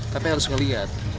tapi harus ngelihat